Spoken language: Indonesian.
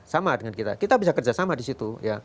sama dengan kita kita bisa kerja sama di situ